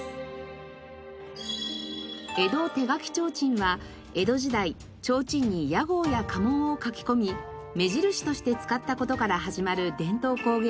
江戸手描提灯は江戸時代提灯に屋号や家紋を描き込み目印として使った事から始まる伝統工芸品です。